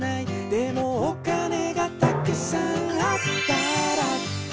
「でもお金がたくさんあったら」